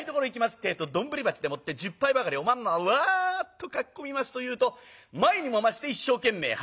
ってえと丼鉢でもって１０杯ばかりおまんまをわっとかき込みますというと前にも増して一生懸命働く。